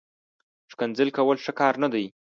ښکنځل کول، ښه کار نه دئ